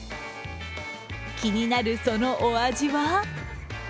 気になる、そのお味は？